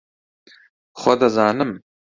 خۆ دەزانم